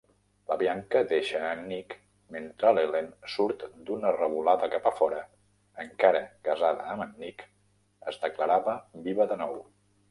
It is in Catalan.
La Bianca deixa a en Nick, mentre l'Ellen surt d'una revolada cap a fora, encara casada amb en Nick, es declarava viva de nou.